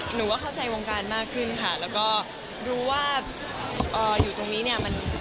หนูว่าเข้าใจวงการมากขึ้นค่ะแล้วก็รู้ว่าอยู่ตรงนี้เนี่ยมัน